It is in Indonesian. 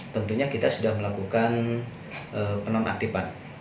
tentunya kita sudah melakukan penonaktifan